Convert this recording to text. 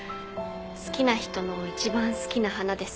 好きな人の一番好きな花です。